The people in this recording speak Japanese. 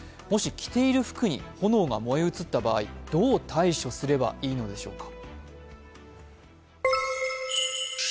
もし、着ている服に炎が燃え移った場合、どう対処すればいいのでしょうか？